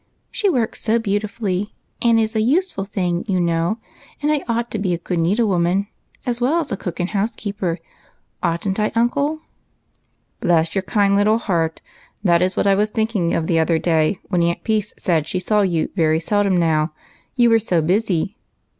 She w^orks so beautifully, and it is a useful thing, you know, and I ought to be a good needlewoman as well as housekeeper, ought n't I ?"" Bless your kind little heart, that is what I was thinking of the other day when Aunt Peace said she saw you very seldom now, you were so busy.